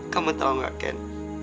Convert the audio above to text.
kamu tau gak ken